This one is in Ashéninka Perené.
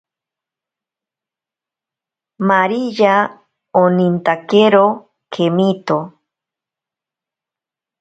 Maríya onintakero kemito.